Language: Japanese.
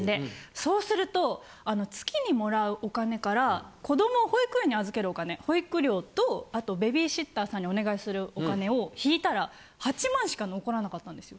そうすると月にもらうお金から子どもを保育園に預けるお金保育料とあとベビーシッターさんにお願いするお金を引いたら８万しか残らなかったんですよ。